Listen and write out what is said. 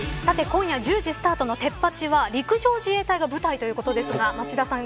今夜１０時スタートのテッパチ！は陸上自衛隊が舞台ということですが町田さん